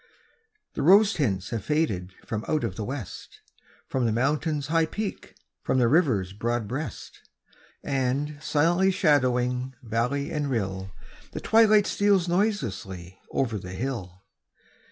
The rose tints have faded from out of the West, From the Mountain's high peak, from the river's broad breast. And, silently shadowing valley and rill, The twilight steals noiselessly over the hill.